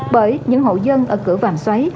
bởi những hộ dân ở cửa vàm xoáy